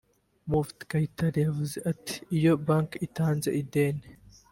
Mufti Kayitare yagize ati “Iyo banki itanze ideni